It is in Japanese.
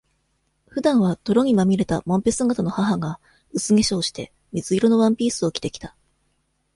普段は、泥にまみれたもんぺ姿の母が、薄化粧して、水色のワンピースを着て来た。